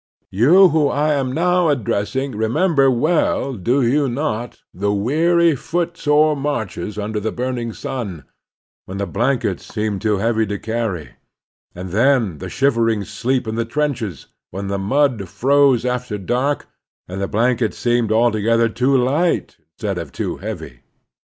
You whom I am now address ing remember well, do you not, the weary, foot sore marches under the burning sun, when the blankets seemed too heavy to carry, and then the shivering sleep in the trenches, when the mud froze after dark and the blankets seemed altogether too light instead of too heavy?